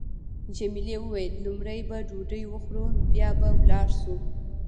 جميلې وويل: لومړی به ډوډۍ وخورو بیا به ولاړ شو.